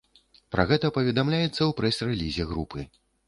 Пра гэта паведамляецца ў прэс-рэлізе групы.